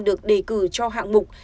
được đề cử cho hạng mục